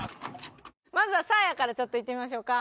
まずはサーヤからちょっといってみましょうか。